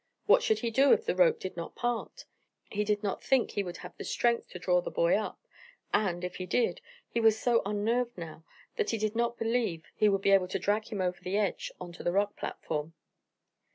What should he do if the rope did not part? He did not think he would have strength to draw the boy up, and, if he did, he was so unnerved now, that he did not believe he would be able to drag him over the edge on to the rock platform.